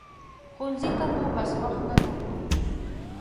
ښوونځي ته مو بس وخت نه درلود.